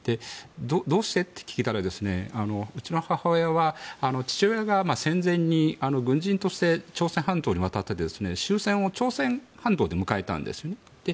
どうして？って聞いたらうちの母親は父親が戦前に軍人として朝鮮半島に渡って終戦を朝鮮半島で迎えたんですよね。